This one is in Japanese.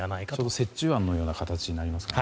折衷案のような形になりますかね。